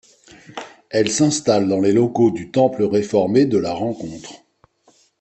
Elle s'installe dans les locaux du temple réformée de La Rencontre.